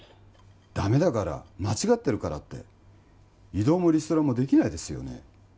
ダメだから間違ってるからって異動もリストラもできないですよね